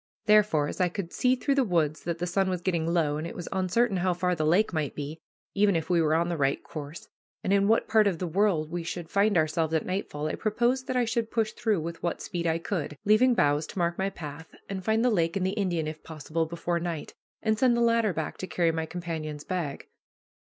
Therefore, as I could see through the woods that the sun was getting low, and it was uncertain how far the lake might be, even if we were on the right course, and in what part of the world we should find ourselves at nightfall, I proposed that I should push through with what speed I could, leaving boughs to mark my path, and find the lake and the Indian, if possible, before night, and send the latter back to carry my companion's bag.